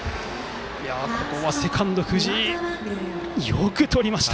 ここはセカンドの藤井がよくとりました。